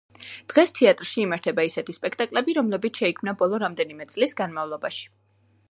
დღეს თეატრში იმართება ისეთი სპექტაკლები, რომლებიც შეიქმნა ბოლო რამდენიმე წლის განმავლობაში.